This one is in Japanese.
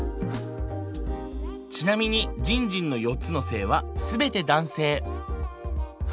ちなみにじんじんの４つの性は全て男性。